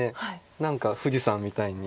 何か富士山みたいにこう。